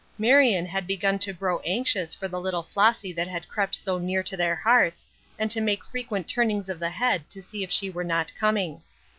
Marion had begun to grow anxious for the little Flossy that had crept so near to their hearts, and to make frequent turnings of the head to see if she were not coming.